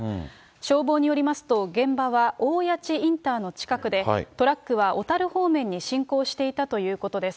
消防によりますと、現場はおおやちインターの近くで、トラックは小樽方面に進行していたということです。